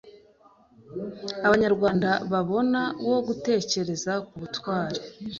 Abanyarwanda babona wo gutekereza ku butwari